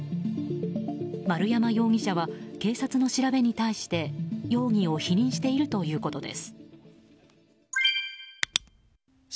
丸山容疑者は警察の調べに対して容疑を否認しているということです。